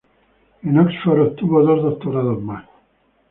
En Oxford, obtuvo dos doctorados más.